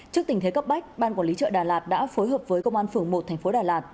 trước tình thế cấp bách ban quản lý chợ đà lạt đã phối hợp với công an phường một thành phố đà lạt